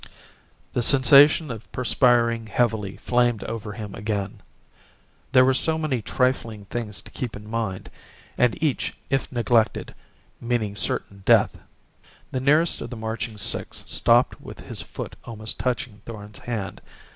The sensation of perspiring heavily flamed over him again. There were so many trifling things to keep in mind! And each, if neglected, meaning certain death! The nearest of the marching six stopped with his foot almost touching Thorn's hand.